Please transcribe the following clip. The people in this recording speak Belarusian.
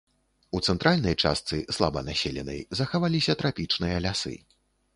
У цэнтральнай частцы, слаба населенай, захаваліся трапічныя лясы.